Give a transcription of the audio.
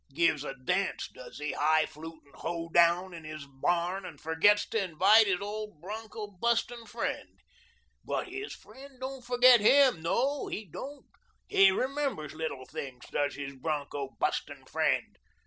Gives a dance, does he, high falutin' hoe down in his barn and forgets to invite his old broncho bustin' friend. But his friend don't forget him; no, he don't. He remembers little things, does his broncho bustin' friend.